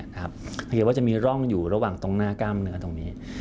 เพราะว่าจะมีร่องอยู่ระหว่างตรงหน้ากล้ามเนื้อตรงนี้